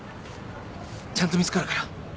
ちゃんと見つかるから。